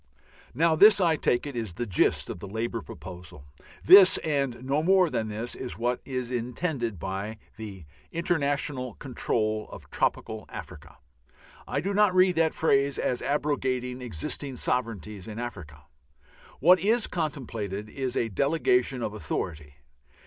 Now this I take it is the gist of the Labour proposal. This and no more than this is what is intended by the "international control of tropical Africa." I do not read that phrase as abrogating existing sovereignties in Africa. What is contemplated is a delegation of authority.